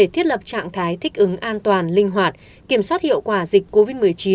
trạng thái thích ứng an toàn linh hoạt kiểm soát hiệu quả dịch covid một mươi chín